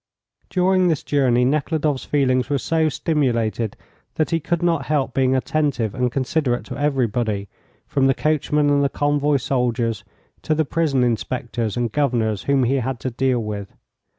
During this journey Nekhludoff's feelings were so stimulated that he could not help being attentive and considerate to everybody, from the coachman and the convoy soldiers to the prison inspectors and governors whom he had to deal with.